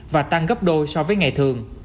và tăng gấp đôi so với ngày thường